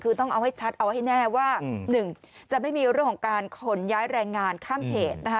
คือต้องเอาให้ชัดเอาให้แน่ว่า๑จะไม่มีเรื่องของการขนย้ายแรงงานข้ามเขตนะคะ